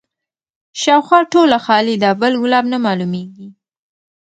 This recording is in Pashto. شاوخوا ټوله خالي ده بل ګلاب نه معلومیږي